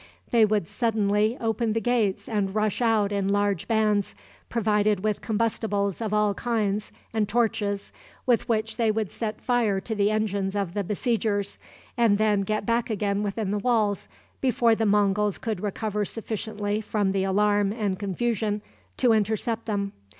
They would suddenly open the gates and rush out in large bands, provided with combustibles of all kinds and torches, with which they would set fire to the engines of the besiegers, and then get back again within the walls before the Monguls could recover sufficiently from the alarm and confusion to intercept them.